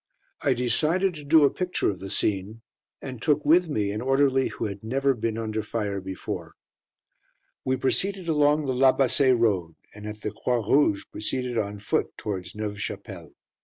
I decided to do a picture of the scene, and took with me an orderly who had never been under fire before. We proceeded along the La Bassée Road, and at the Croix Rouge proceeded on foot towards Neuve Chapelle.